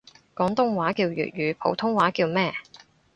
廣東話叫粵語，普通話叫咩？